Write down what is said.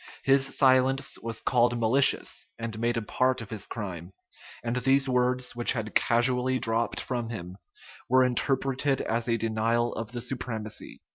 His silence was called malicious, and made a part of his crime; and these words, which had casually dropped from him, were interpreted as a denial of the supremacy.